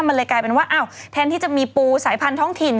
มันเลยกลายเป็นว่าอ้าวแทนที่จะมีปูสายพันธ้องถิ่น